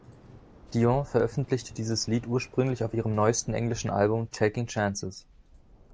Dion veröffentlichte dieses Lied ursprünglich auf ihrem neuesten englischen Album „Taking Chances“.